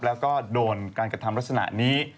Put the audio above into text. แล้วก็โดนการกระทำลักษณะนี้